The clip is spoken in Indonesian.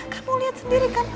kamu lihat sendiri kan